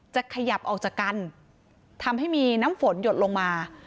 จะขยับออกจากกันทำให้มีน้ำฝนหยดลงมา